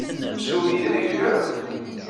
Sew yid-i kra.